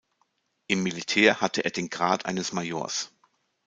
Im Militär hatte er den Grad eines Majors.